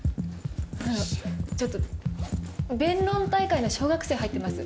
あのちょっと弁論大会の小学生入ってます。